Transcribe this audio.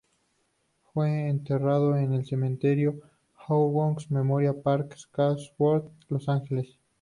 Fue enterrado en el Cementerio Oakwood Memorial Park de Chatsworth, Los Ángeles.